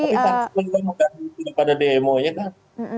tapi pas kita buka ini itu pada demo nya kan